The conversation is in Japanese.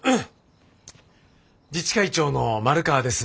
自治会長の丸川です。